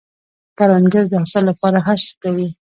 کروندګر د حاصل له پاره هر څه کوي